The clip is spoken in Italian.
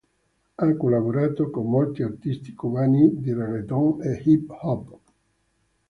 Ha collaborato con molti artisti cubani di Reggaeton e hip hop.